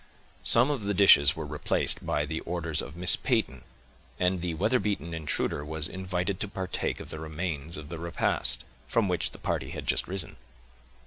Some of the dishes were replaced by the orders of Miss Peyton, and the weather beaten intruder was invited to partake of the remains of the repast, from which the party had just risen.